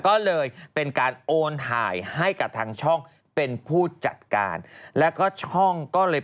ก็เลยต้องวนกลับมาหาช่องช่องก็เลย